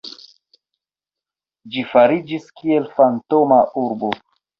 Ĝi fariĝis kiel fantoma urbo.